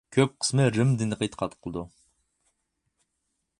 كۆپ قىسمى رىم دىنىغا ئېتىقاد قىلىدۇ.